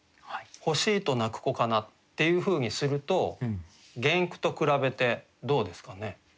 「欲しいと泣く子かな」っていうふうにすると原句と比べてどうですかね。